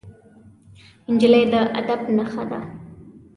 نجلۍ د ادب نښه ده.